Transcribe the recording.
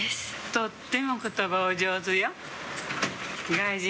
とっても言葉お上手よ。